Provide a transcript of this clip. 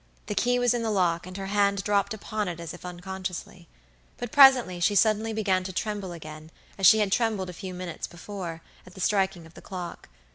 The key was in the lock, and her hand dropped upon it as if unconsciously. But presently she suddenly began to tremble again, as she had trembled a few minutes before at the striking of the clock.